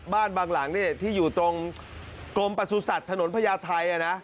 บ้านบางหลังนี้ที่อยู่ตรงกรมประสุนศาสตร์ถนนพญาไทย